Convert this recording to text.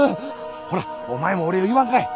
ほらお前もお礼を言わんかい。